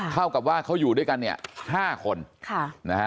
เท่ากับว่าเขาอยู่ด้วยกันเนี่ย๕คนนะฮะ